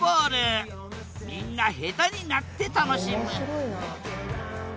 みんな下手になって楽しむ面白いな。